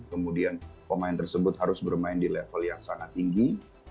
kemudian pemain tersebut harus bermain di level yang sangat tinggi